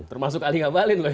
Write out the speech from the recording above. termasuk alih alik apa lain